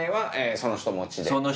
その人持ちですね。